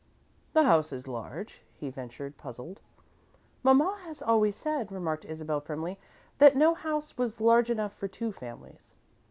"The house is large," he ventured, puzzled. "Mamma has always said," remarked Isabel, primly, "that no house was large enough for two families."